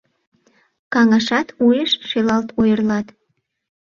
Каҥашат, уэш шелалт ойырлат.